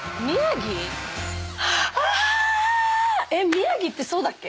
宮城ってそうだっけ？